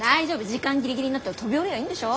時間ギリギリになったら飛び降りりゃいいんでしょ。